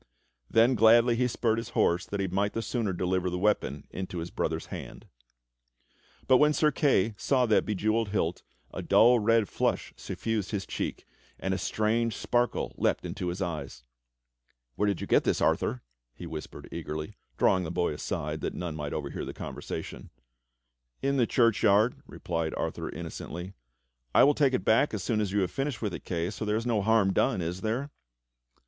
Then gladly he spurred his horse that he might the sooner deliver the weapon into his brother's hand. "THE KNIGHT'S VIGIL"* * Tlie Vig'1, Petlie, Tate Gallery, London. [Cou,7iesj of Braun ct Cie.] But when Sir Kay saw that bejewelled hilt, a dull red flush suf fused his cheek, and a strange sparkle leapt into his eyes. "Where did you get this, Arthur.?*" he whispered eagerly, drawing the boy aside that none might overhear the conversation. "In the churchyard," replied Arthur innocently. "I will take it back as soon as you have finished with it, Kay, so there is no harm done, is there.?